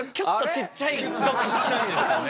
ちっちゃいですよね。